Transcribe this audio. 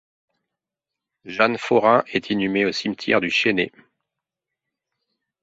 Jeanne Forain est inhumée au cimetière du Chesnay.